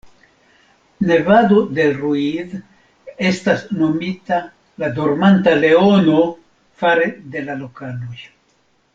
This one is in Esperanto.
Nevado del Ruiz estas nomita la "Dormanta Leono" fare de la lokanoj.